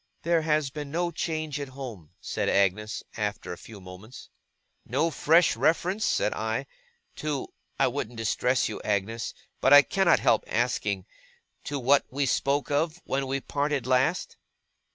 'There has been no change at home,' said Agnes, after a few moments. 'No fresh reference,' said I, 'to I wouldn't distress you, Agnes, but I cannot help asking to what we spoke of, when we parted last?